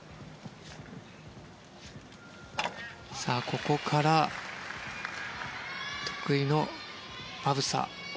さあ、ここから得意のバブサー。